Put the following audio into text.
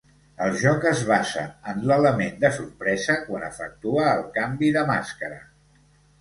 El joc es basa en l'element de sorpresa quan efectua el canvi de màscara.